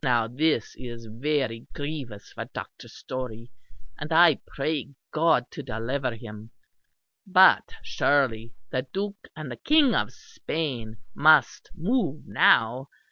Now this is very grievous for Dr. Storey; and I pray God to deliver him; but surely the Duke and the King of Spain must move now.